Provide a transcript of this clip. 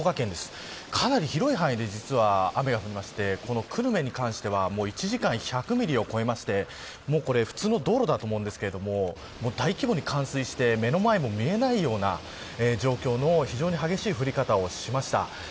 かなり広い範囲で雨が降りまして久留米に関しては１時間１００ミリを超えましてこれ普通の道路だと思うんですが大規模に冠水して目の前も見えないような状況の非常に激しい降り方をしました。